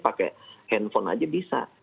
pakai handphone aja bisa